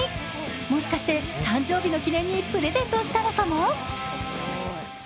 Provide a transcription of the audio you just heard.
もしかして誕生日の記念にプレゼントしたのかも？